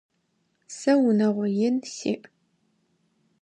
Сэ унагъо ин сиӏ.